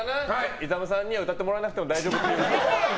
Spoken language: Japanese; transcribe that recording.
ＩＺＡＭさんに歌ってもらわなくても大丈夫だな。